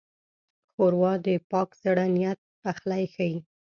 ښوروا د پاک زړه نیت پخلی ښيي.